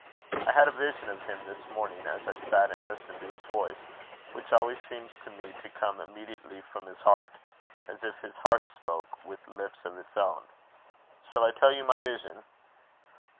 I had a vision of him this morning as I sat and listened to his voice, which always seems to me to come immediately from his heart, as if his heart spoke with lips of its own. Shall I tell you my vision?